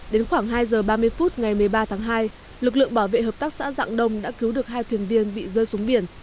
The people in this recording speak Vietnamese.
đến khoảng hai giờ ba mươi phút ngày một mươi ba tháng hai lực lượng bảo vệ hợp tác xã dạng đông đã cứu được hai thuyền viên bị rơi xuống biển